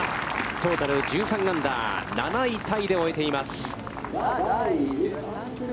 トータル１３アンダー、７位タイで終えています。